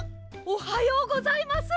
おはようございます！